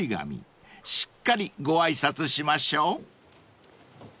［しっかりご挨拶しましょう］